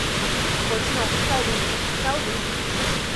Pois non, xa o dixen, xa o dixen.